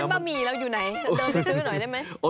บะหมี่เราอยู่ไหนเดินไปซื้อหน่อยได้ไหม